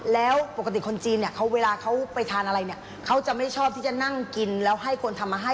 แล้วปกติคนจีนเนี่ยเขาเวลาเขาไปทานอะไรเนี่ยเขาจะไม่ชอบที่จะนั่งกินแล้วให้คนทำมาให้